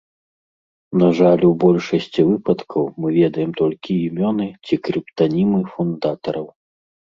На жаль, у большасці выпадкаў мы ведаем толькі імёны ці крыптанімы фундатараў.